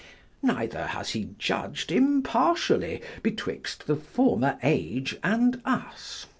Neither has he judg'd impartially betwixt the former age and us.